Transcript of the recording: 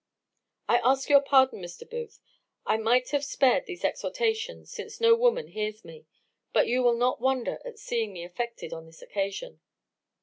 "I ask your pardon, Mr. Booth; I might have spared these exhortations, since no woman hears me; but you will not wonder at seeing me affected on this occasion."